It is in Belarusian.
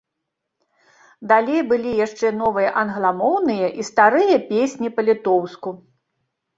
Далей былі яшчэ новыя англамоўныя і старыя песні па-літоўску.